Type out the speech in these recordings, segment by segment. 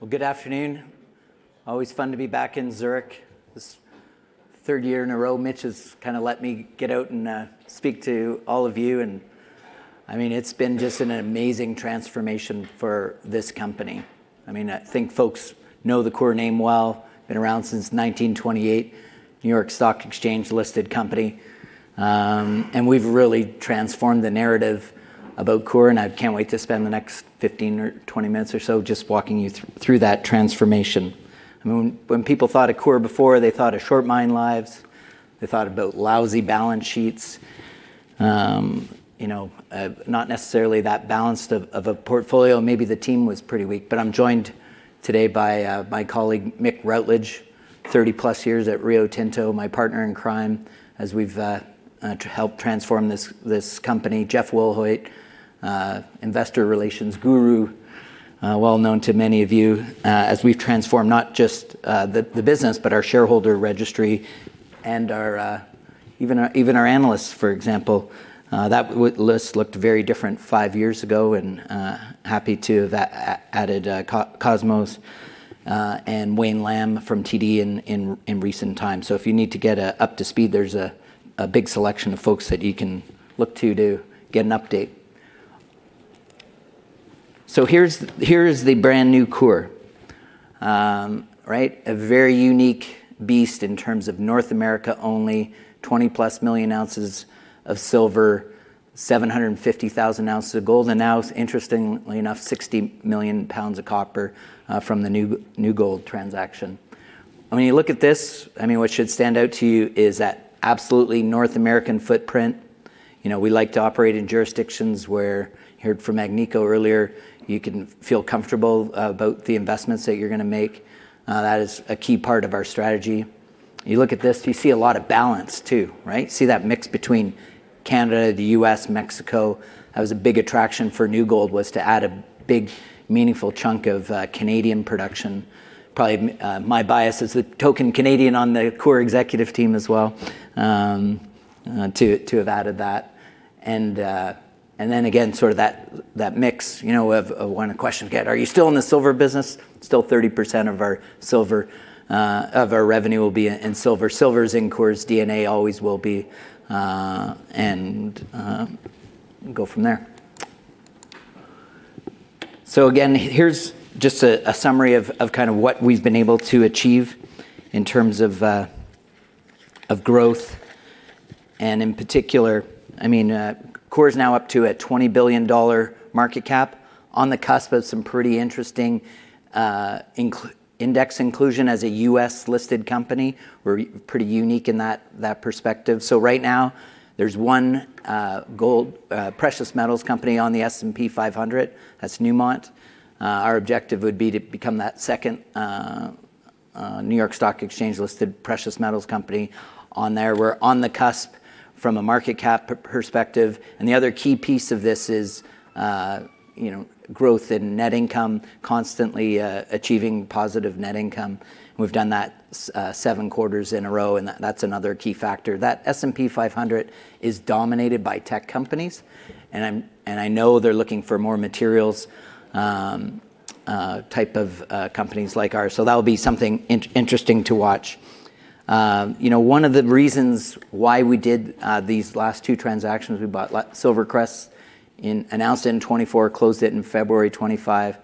Well, good afternoon. Always fun to be back in Zurich. This third year in a row, Mitch has let me get out and speak to all of you. It's been just an amazing transformation for this company. I think folks know the Coeur name well, been around since 1928, New York Stock Exchange-listed company. We've really transformed the narrative about Coeur, and I can't wait to spend the next 15 or 20 minutes or so just walking you through that transformation. When people thought of Coeur before, they thought of short mine lives, they thought about lousy balance sheets, not necessarily that balanced of a portfolio. Maybe the team was pretty weak. I'm joined today by my colleague, Mick Routledge, 30+ years at Rio Tinto, my partner in crime, as we've helped transform this company. Jeff Wilhoit, investor relations guru, well known to many of you, as we've transformed not just the business, but our shareholder registry and even our analysts, for example. That list looked very different five years ago, and happy to have added Cosmos and Wayne Lam from TD in recent times. So if you need to get up to speed, there's a big selection of folks that you can look to to get an update. So here's the brand new Coeur. A very unique beast in terms of North America, only 20+ million oz of silver, 750,000 oz of gold, and now, interestingly enough, 60 million lbs of copper from the New Gold transaction. When you look at this, what should stand out to you is that absolutely North American footprint. We like to operate in jurisdictions where, you heard from Agnico earlier, you can feel comfortable about the investments that you're going to make. That is a key part of our strategy. You look at this, you see a lot of balance too, right? See that mix between Canada, the U.S., Mexico. That was a big attraction for New Gold was to add a big meaningful chunk of Canadian production. Probably my bias as the token Canadian on the Coeur Executive Team as well to have added that. Again, that mix of when a question gets, "Are you still in the silver business?" Still 30% of our revenue will be in silver. Silver's in Coeur's DNA, always will be, and go from there. Again, here's just a summary of what we've been able to achieve in terms of growth and in particular, Coeur's now up to a $20 billion market cap on the cusp of some pretty interesting index inclusion as a U.S.-listed company. We're pretty unique in that perspective. Right now there's one gold precious metals company on the S&P 500, that's Newmont. Our objective would be to become that second New York Stock Exchange-listed precious metals company on there. We're on the cusp from a market cap perspective. The other key piece of this is growth in net income, constantly achieving positive net income. We've done that seven quarters in a row, and that's another key factor. That S&P 500 is dominated by tech companies, and I know they're looking for more materials type of companies like ours. That'll be something interesting to watch. One of the reasons why we did these last two transactions, we bought SilverCrest, announced it in 2024, closed it in February 2025,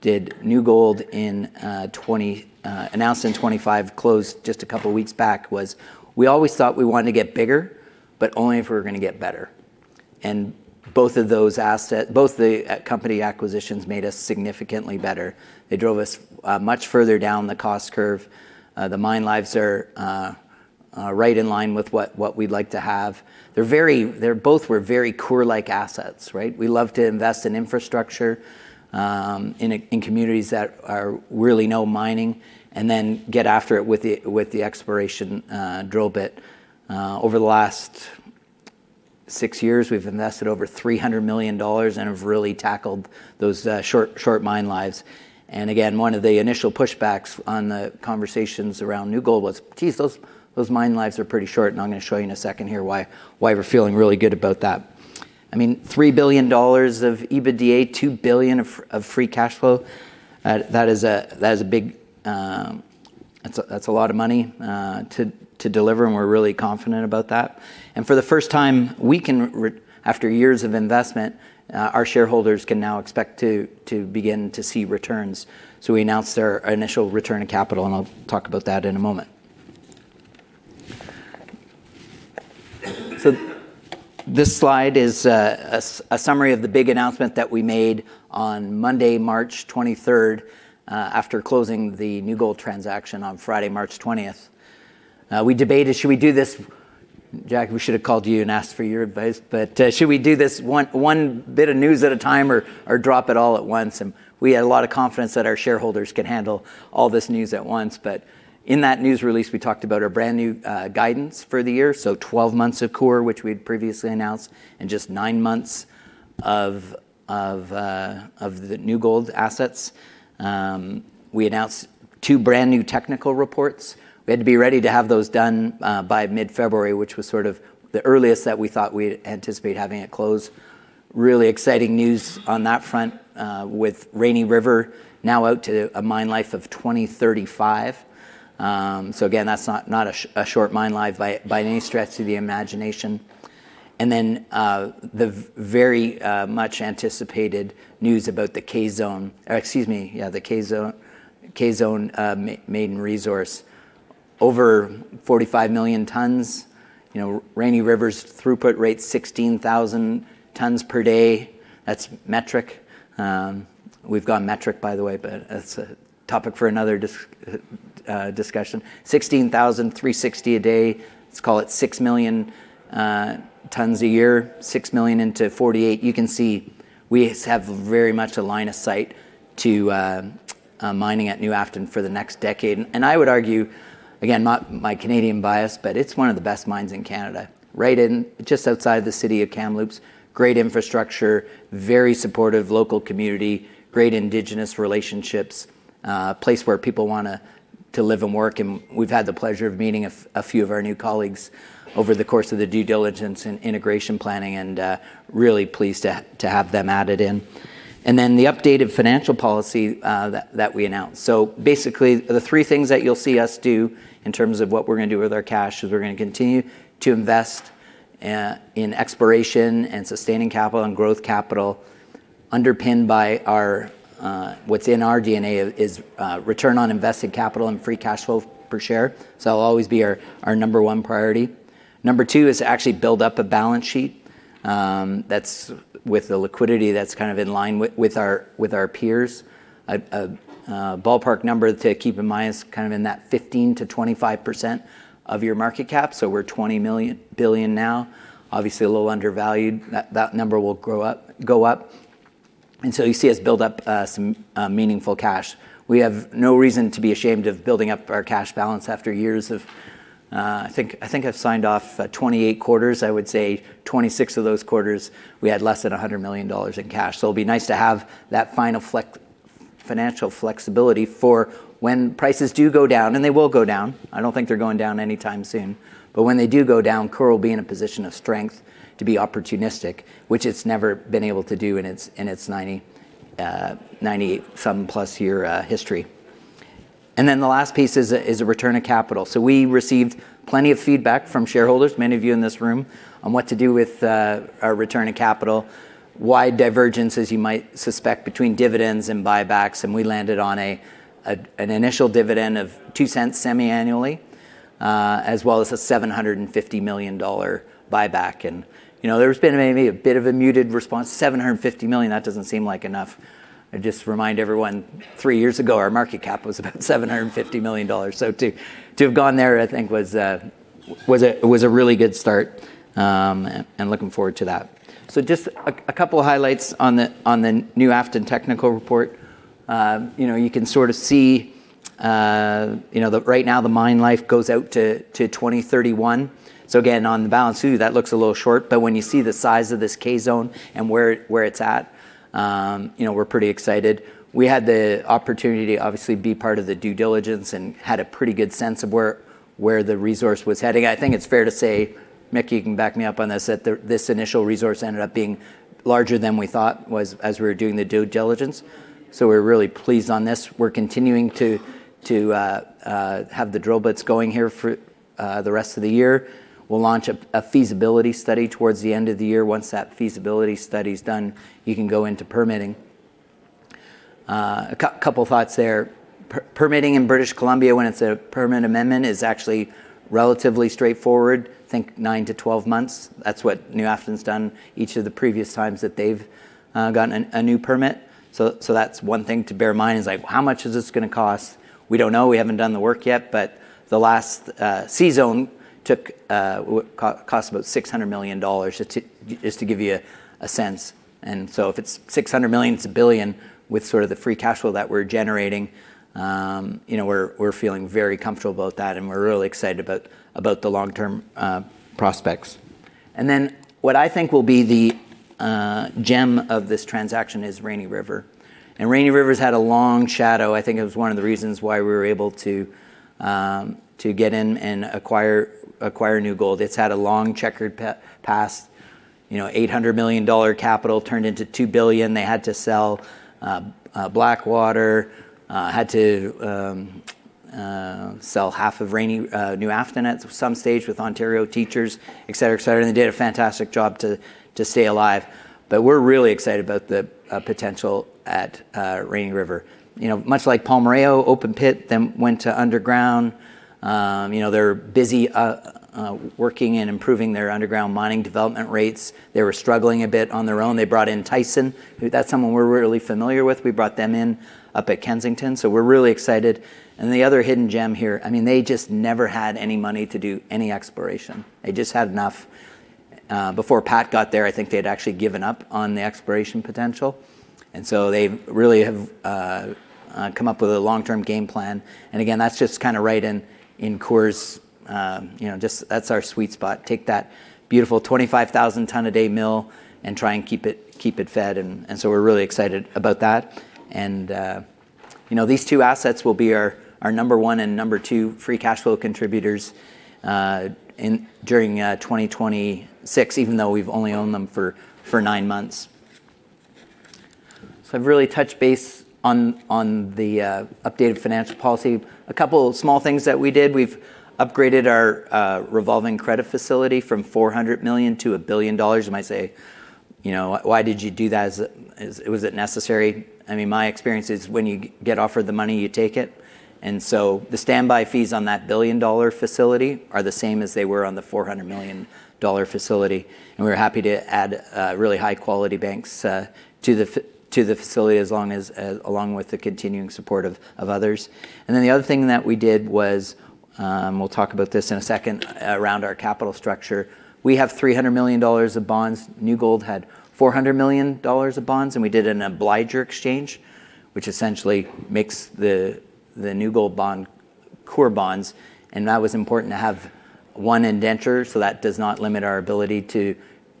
did New Gold, announced in 2025, closed just a couple of weeks back, was we always thought we wanted to get bigger, but only if we were going to get better. Both the company acquisitions made us significantly better. They drove us much further down the cost curve. The mine lives are right in line with what we'd like to have. Both were very Coeur-like assets. We love to invest in infrastructure in communities that really know mining, and then get after it with the exploration drill bit. Over the last six years, we've invested over $300 million and have really tackled those short mine lives. Again, one of the initial pushbacks on the conversations around New Gold was, "Geez, those mine lives are pretty short." I'm going to show you in a second here why we're feeling really good about that. $3 billion of EBITDA, $2 billion of free cash flow, that's a lot of money to deliver, and we're really confident about that. For the first time, after years of investment, our shareholders can now expect to begin to see returns. We announced our initial return of capital, and I'll talk about that in a moment. This slide is a summary of the big announcement that we made on Monday, March 23rd, after closing the New Gold transaction on Friday, March 20th. Jack, we should have called you and asked for your advice, but should we do this one bit of news at a time or drop it all at once? We had a lot of confidence that our shareholders could handle all this news at once. In that news release, we talked about our brand new guidance for the year, 12 months of Coeur, which we had previously announced, and just nine months of the New Gold assets. We announced two brand new technical reports. We had to be ready to have those done by mid-February, which was sort of the earliest that we thought we'd anticipate having it closed. Really exciting news on that front with Rainy River now out to a mine life of 2035. Again, that's not a short mine life by any stretch of the imagination. The very much anticipated news about the K-Zone maiden resource. Over 45 million tons. Rainy River's throughput rate's 16,000 tons per day. That's metric. We've gone metric by the way, but that's a topic for another discussion. 16,360 a day, let's call it 6 million tons a year. 6 million into 48. You can see we have very much a line of sight to mining at New Afton for the next decade. I would argue, again, my Canadian bias, but it's one of the best mines in Canada. Right in, just outside the city of Kamloops, great infrastructure, very supportive local community, great Indigenous relationships, a place where people want to live and work. We've had the pleasure of meeting a few of our new colleagues over the course of the due diligence and integration planning, and really pleased to have them added in. The updated financial policy that we announced. Basically, the three things that you'll see us do in terms of what we're going to do with our cash is we're going to continue to invest in exploration and sustaining capital and growth capital underpinned by what's in our DNA is return on invested capital and free cash flow per share. That'll always be our number one priority. Number two is to actually build up a balance sheet. That's with the liquidity that's kind of in line with our peers. A ballpark number to keep in mind is kind of in that 15%-25% of your market cap. We're $20 billion now, obviously a little undervalued. That number will go up. You see us build up some meaningful cash. We have no reason to be ashamed of building up our cash balance. I think I've signed off 28 quarters. I would say 26 of those quarters, we had less than $100 million in cash. It'll be nice to have that final financial flexibility for when prices do go down, and they will go down. I don't think they're going down anytime soon. When they do go down, Coeur will be in a position of strength to be opportunistic, which it's never been able to do in its 90-something-plus-year history. The last piece is a return of capital. We received plenty of feedback from shareholders, many of you in this room, on what to do with our return of capital, wide divergence as you might suspect, between dividends and buybacks, and we landed on an initial dividend of $0.02 semi-annually, as well as a $750 million buyback. There's been maybe a bit of a muted response, $750 million, that doesn't seem like enough. I just remind everyone, three years ago, our market cap was about $750 million. To have gone there, I think was a really good start, and looking forward to that. Just a couple highlights on the New Afton technical report. You can sort of see, right now the mine life goes out to 2031. Again, on the balance sheet, that looks a little short, but when you see the size of this K-Zone and where it's at, we're pretty excited. We had the opportunity to obviously be part of the due diligence and had a pretty good sense of where the resource was heading. I think it's fair to say, Mick, you can back me up on this, that this initial resource ended up being larger than we thought as we were doing the due diligence. We're really pleased on this. We're continuing to have the drill bits going here for the rest of the year. We'll launch a feasibility study towards the end of the year. Once that feasibility study's done, you can go into permitting. A couple thoughts there, permitting in British Columbia when it's a permit amendment is actually relatively straightforward. Think nine to 12 months. That's what New Afton's done each of the previous times that they've gotten a new permit. That's one thing to bear in mind is how much is this going to cost? We don't know. We haven't done the work yet, but the last C-Zone cost about $600 million, just to give you a sense. If it's $600 million, it's $1 billion with sort of the free cash flow that we're generating. We're feeling very comfortable about that, and we're really excited about the long-term prospects. What I think will be the gem of this transaction is Rainy River. Rainy River's had a long shadow. I think it was one of the reasons why we were able to get in and acquire New Gold. It's had a long checkered past. $800 million capital turned into $2 billion. They had to sell Blackwater, had to sell half of New Afton at some stage with Ontario Teachers, et cetera. They did a fantastic job to stay alive. We're really excited about the potential at Rainy River. Much like Palmarejo, open pit, then went to underground. They're busy working and improving their underground mining development rates. They were struggling a bit on their own. They brought in Thyssen. That's someone we're really familiar with. We brought them in up at Kensington, so we're really excited. The other hidden gem here, they just never had any money to do any exploration. They just had enough. Before Pat got there, I think they'd actually given up on the exploration potential. They really have come up with a long-term game plan. Again, that's just kind of right in Coeur's. That's our sweet spot. Take that beautiful 25,000 ton a day mill and try and keep it fed, and so we're really excited about that. These two assets will be our number one and number two free cash flow contributors during 2026, even though we've only owned them for nine months. I've really touched base on the updated financial policy. A couple of small things that we did, we've upgraded our revolving credit facility from $400 million to $1 billion. You might say, "Why did you do that? Was it necessary?" My experience is when you get offered the money, you take it. The standby fees on that billion-dollar facility are the same as they were on the $400 million facility. We're happy to add really high-quality banks to the facility, along with the continuing support of others. The other thing that we did was, we'll talk about this in a second, around our capital structure. We have $300 million of bonds. New Gold had $400 million of bonds, and we did an obligor exchange, which essentially makes the New Gold bond, Coeur bonds. That was important to have one indenture, so that does not limit our ability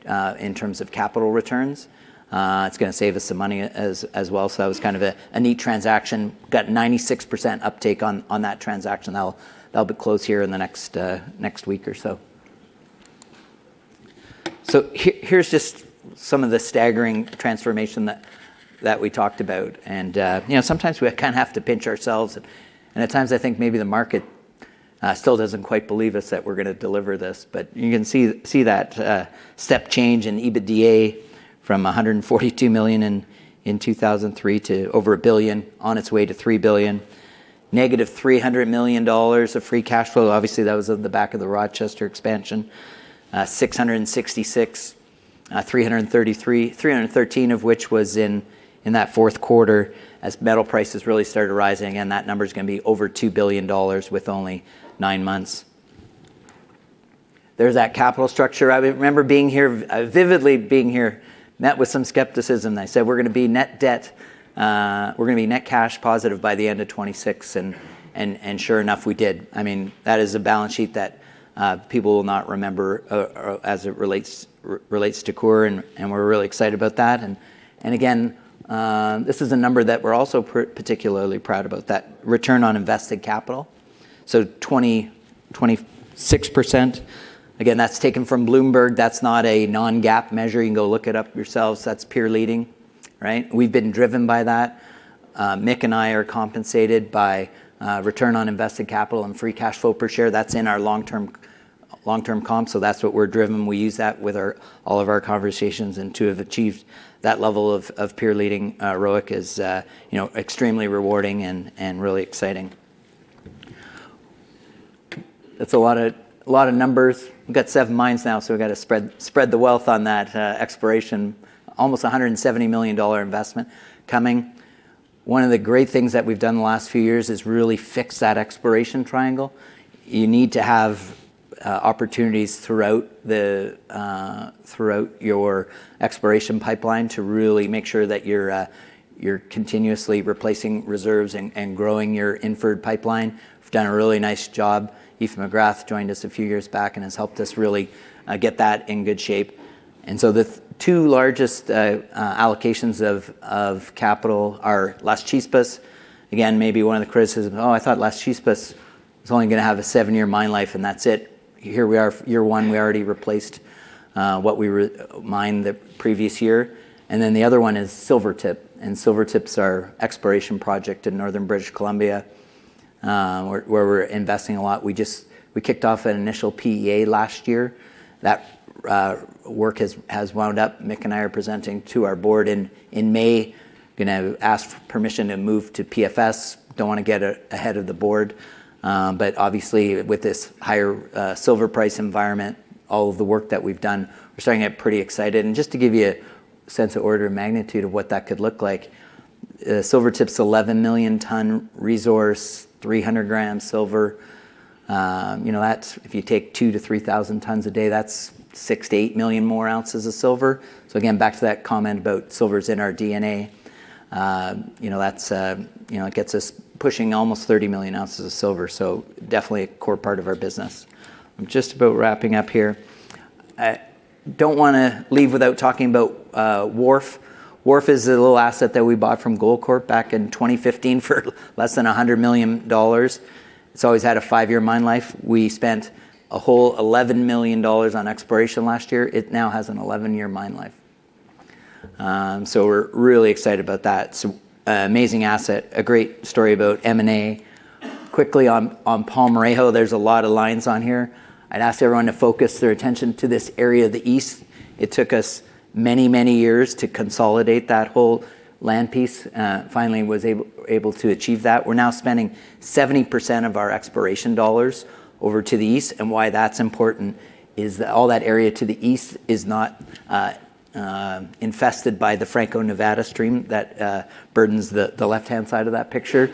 in terms of capital returns. It's going to save us some money as well. That was kind of a neat transaction, got 96% uptake on that transaction. That'll be closed here in the next week or so. Here's just some of the staggering transformation that we talked about. Sometimes we have to pinch ourselves, and at times I think maybe the market still doesn't quite believe us that we're going to deliver this. You can see that step change in EBITDA from $142 million in 2003 to over $1 billion, on its way to $3 billion. Negative $300 million of free cash flow. Obviously, that was on the back of the Rochester expansion. $666, $313 of which was in that fourth quarter as metal prices really started rising, and that number's going to be over $2 billion with only nine months. There's that capital structure. I remember vividly being here, met with some skepticism. They said we're going to be net cash positive by the end of 2026, and sure enough, we did. That is a balance sheet that people will not remember as it relates to Coeur, and we're really excited about that. Again, this is a number that we're also particularly proud about, that return on invested capital, so 26%. Again, that's taken from Bloomberg. That's not a non-GAAP measure. You can go look it up yourselves. That's peer-leading, right? We've been driven by that. Mick and I are compensated by return on invested capital and free cash flow per share. That's in our long-term comp, so that's what we're driven. We use that with all of our conversations, and to have achieved that level of peer-leading ROIC is extremely rewarding and really exciting. That's a lot of numbers. We've got seven mines now, so we've got to spread the wealth on that exploration, almost a $170 million investment coming. One of the great things that we've done the last few years is really fix that exploration triangle. You need to have opportunities throughout your exploration pipeline to really make sure that you're continuously replacing reserves and growing your inferred pipeline. We've done a really nice job. Aoife McGrath joined us a few years back and has helped us really get that in good shape. The two largest allocations of capital are Las Chispas. Again, maybe one of the criticisms, "Oh, I thought Las Chispas was only going to have a seven-year mine life, and that's it." Here we are, year one. We already replaced what we mined the previous year. The other one is Silvertip, and Silvertip's our exploration project in northern British Columbia, where we're investing a lot. We kicked off an initial PEA last year. That work has wound up. Mick and I are presenting to our Board in May, going to ask permission to move to PFS. Don't want to get ahead of the Board. Obviously with this higher silver price environment, all of the work that we've done, we're starting to get pretty excited. Just to give you a sense of order of magnitude of what that could look like, Silvertip's 11 million ton resource, 300 g silver. If you take 2,000-3,000 tons a day, that's 6 million-8 million more ounces of silver. Again, back to that comment about silver's in our DNA. It gets us pushing almost 30 million oz of silver, so definitely a core part of our business. I'm just about wrapping up here. I don't want to leave without talking about Wharf. Wharf is a little asset that we bought from Goldcorp back in 2015 for less than $100 million. It's always had a five-year mine life. We spent a whole $11 million on exploration last year. It now has an 11-year mine life. We're really excited about that. It's an amazing asset, a great story about M&A. Quickly on Palmarejo, there's a lot of lines on here. I'd ask everyone to focus their attention to this area, the east. It took us many, many years to consolidate that whole land piece, finally was able to achieve that. We're now spending 70% of our exploration dollars over to the east. Why that's important is that all that area to the east is not infested by the Franco-Nevada stream that burdens the left-hand side of that picture.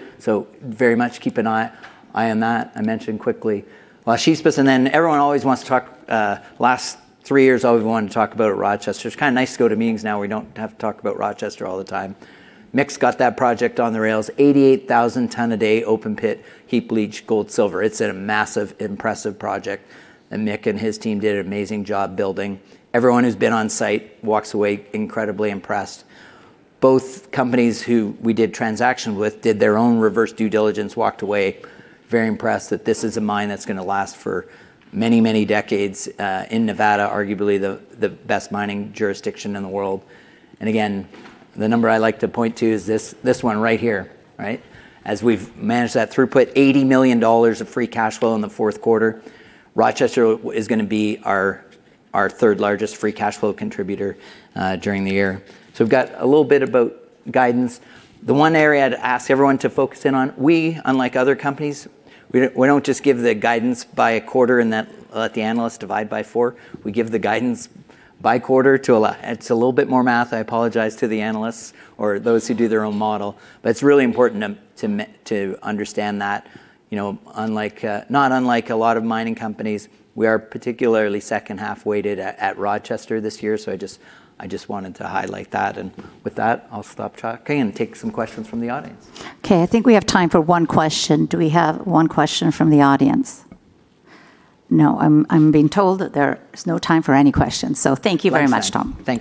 Very much keep an eye on that. I mentioned quickly Las Chispas. Everyone, last three years, always wanted to talk about Rochester. It's kind of nice to go to meetings now where you don't have to talk about Rochester all the time. Mick's got that project on the rails. 88,000 ton a day, open pit, heap leach, gold, silver. It's a massive, impressive project that Mick and his team did an amazing job building. Everyone who's been on site walks away incredibly impressed. Both companies who we did transaction with did their own reverse due diligence, walked away very impressed that this is a mine that's going to last for many, many decades in Nevada, arguably the best mining jurisdiction in the world. Again, the number I like to point to is this one right here, right? As we've managed that throughput, $80 million of free cash flow in the fourth quarter. Rochester is going to be our third-largest free cash flow contributor during the year. We've got a little bit about guidance. The one area I'd ask everyone to focus in on, we, unlike other companies, we don't just give the guidance by a quarter and let the analyst divide by four. We give the guidance by quarter. It's a little bit more math. I apologize to the analysts or those who do their own model, but it's really important to understand that. Not unlike a lot of mining companies, we are particularly second-half weighted at Rochester this year, so I just wanted to highlight that. And with that, I'll stop talking and take some questions from the audience. Okay. I think we have time for one question. Do we have one question from the audience? No, I'm being told that there's no time for any questions. Thank you very much, Tom. Thank you.